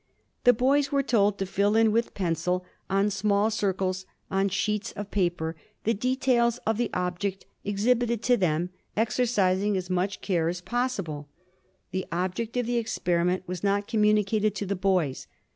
The boys were told to fill in with pencil on small circles on sheets of paper the details of the object exhibited to them, exercising as much care as pos sible. The object of the experiment was not communicated to the boys.